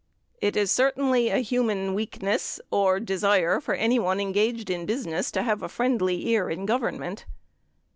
It certainly is a human weakness or desire for anyone engaged in business to have a friendly ear in Government.